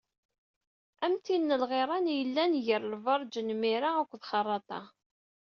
Am tin n lɣiran i yellan gar Lberǧ n Mira akked Xerraṭa.